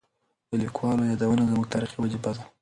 د لیکوالو یادونه زموږ تاریخي وجیبه ده.